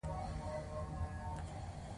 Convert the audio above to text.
یو سل او پنځوسمه پوښتنه د تصمیم نیونې په اړه ده.